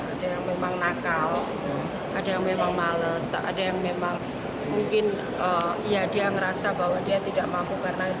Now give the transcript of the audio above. ada yang memang nakal ada yang memang males ada yang memang mungkin ya dia ngerasa bahwa dia tidak mampu karena itu